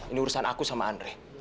ini urusan aku sama andre